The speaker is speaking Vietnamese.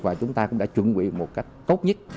và chúng ta cũng đã chuẩn bị một cách tốt nhất